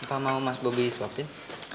bapak mau mas bobi siapin